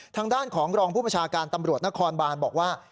ทางด้านของรองผู้ประชาการตำรวจนครบานบอกว่า